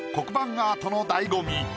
アートの醍醐味。